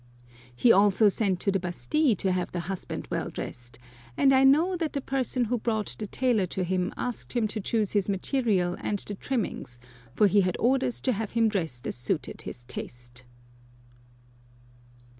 .., He also sent to the Bastille to have the husband well dressed ; and I know that the person who brought the tailor to him asked him to choose his material and the trimmings, for he had orders to have him dressed as suited his taste."